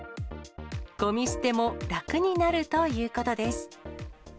ごみ捨ても楽になるということです。